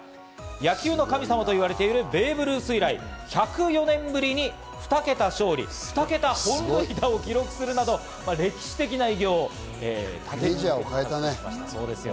野球の神様と言われているベーブ・ルース以来、１０４年ぶりに２桁勝利、２桁本塁打を記録するなど、歴史的な偉業を立て続けに達成しました。